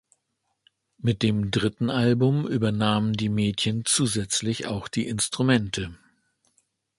Mit dem dritten Album übernahmen die Mädchen zusätzlich auch die Instrumente.